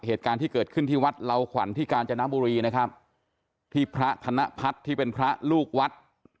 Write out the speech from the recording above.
เหตุการณ์ที่เกิดขึ้นที่วัดเหล่าขวัญที่กาญจนบุรีนะครับที่พระธนพัฒน์ที่เป็นพระลูกวัด